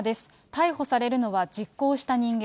逮捕されるのは実行した人間。